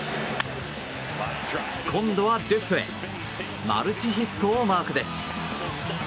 今度は、レフトへマルチヒットをマークです。